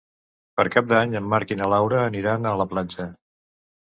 Per Cap d'Any en Marc i na Laura aniran a la platja.